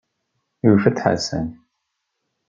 Yufa-d Ḥasan.